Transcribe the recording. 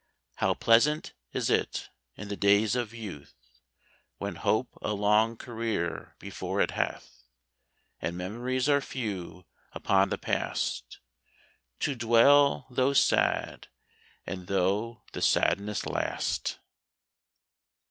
How pleasant is it, in the days of youth, When hope a long career before it hath, And memories are few, upon the past To dwell, though sad, and though the sadness last!